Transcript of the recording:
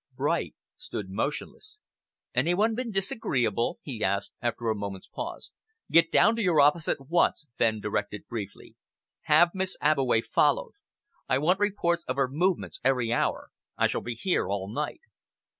Bright stood motionless. "Any one been disagreeable?" he asked, after a moment's pause. "Get down to your office at once," Fenn directed briefly. "Have Miss Abbeway followed. I want reports of her movements every hour. I shall be here all night."